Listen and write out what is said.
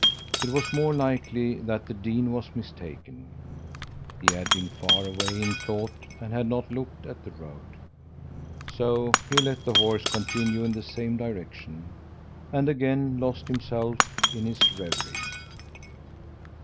It was more likely that the dean was mistaken. He had been far away in thought and had not looked at the road. So he let the horse continue in the same direction, and again lost himself in his reverie.